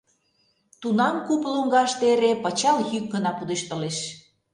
Тунам куп лоҥгаште эре пычал йӱк гына пудештылеш.